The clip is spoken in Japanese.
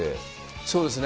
そうですね。